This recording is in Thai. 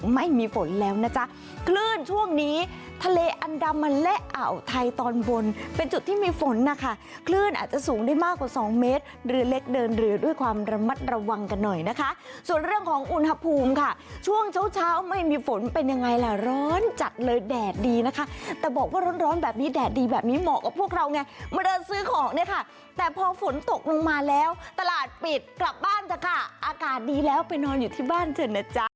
ไม่มีฝนแล้วนะจ๊ะคลื่นช่วงนี้ทะเลอันดำมันและอ่าวไทยตอนบนเป็นจุดที่มีฝนนะคะคลื่นอาจจะสูงได้มากกว่าสองเมตรเรือเล็กเดินเรือด้วยความระมัดระวังกันหน่อยนะคะส่วนเรื่องของอุณหภูมิค่ะช่วงเช้าเช้าไม่มีฝนเป็นยังไงล่ะร้อนจัดเลยแดดดีนะคะแต่บอกว่าร้อนร้อนแบบนี้แดดดีแบบนี้เหมาะกับพวกเราไ